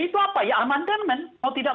tidak perlu khawatir kenapa tidak